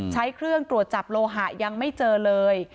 ใช้เครื่องตรวจจับโลหะยังไม่เจอเลย